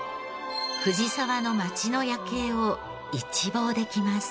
藤沢の街の夜景を一望できます。